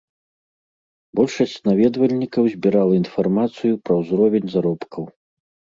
Большасць наведвальнікаў збірала інфармацыю пра ўзровень заробкаў.